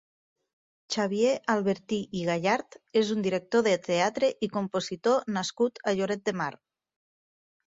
Xavier Albertí i Gallart és un director de teatre i compositor nascut a Lloret de Mar.